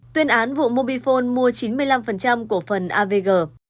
tuyên án vụ mobifone mua chín mươi năm cổ phần avg